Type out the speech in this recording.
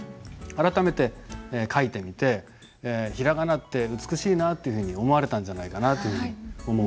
改めて書いてみて平仮名って美しいなっていうふうに思われたんじゃないかなって思うんです。